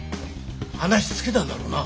話つけたんだろうな？